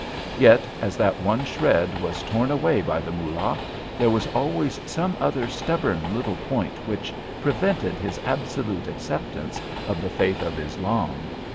Yet as that one shred was torn away by the Moolah, there was always some other stubborn little point which prevented his absolute acceptance of the faith of Islam.